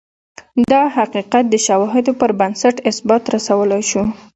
دا حقیقت د شواهدو پربنسټ اثبات رسولای شو.